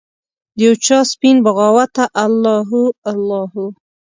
د یوچا سپین بغاوته الله هو، الله هو